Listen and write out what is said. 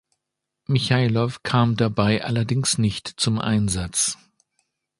Michajlow kam dabei allerdings nicht zum Einsatz.